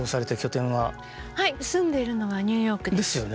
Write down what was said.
はい住んでいるのはニューヨークです。ですよね。